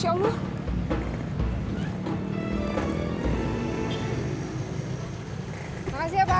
oh ya allah masya allah